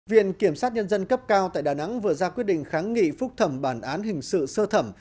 viện kiểm sát nhân dân cấp cao tại đà nẵng vừa ra quyết định kháng nghị phúc thẩm bản án hình sự sơ thẩm